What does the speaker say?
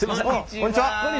こんにちは。